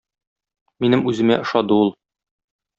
Минем үземә ошады ул.